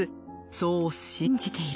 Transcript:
そう信じている。